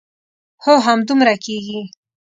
هو همدومره کېږي.